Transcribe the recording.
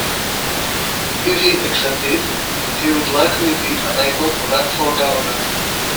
If he accepted, he would likely be unable to run for governor.